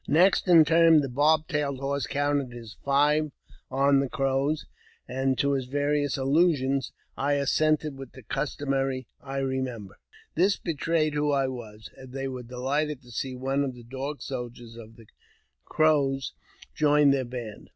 Next in turn the Bob tailed Horse counted his five on the Crows, and to his various allusions I assented with the customary " I remember." This betrayed who I was, and they were delighted to see one of the Dog Soldiers of the Crows join their band.